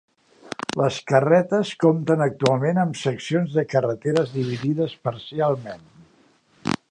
Les carretes compten actualment amb seccions de carreteres dividides parcialment.